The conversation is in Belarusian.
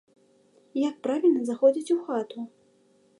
Як правільна заходзіць у хату?